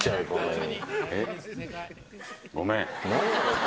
ごめん。